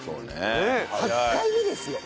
８回目ですよ。